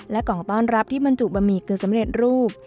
และกล่องต้อนรับที่บรรจุบะหมี่กึ่งสำเร็จรูป